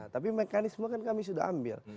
tapi mekanisme kan kami sudah ambil